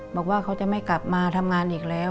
บอกว่าเขาจะไม่กลับมาทำงานอีกแล้ว